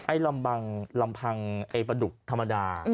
ไอ้ลำบังลำพังไอ้ประดุกธรรมดา